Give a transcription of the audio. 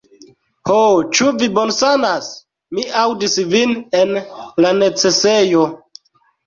"Ho, ĉu vi bonsanas? Mi aŭdis vin en la necesejo!"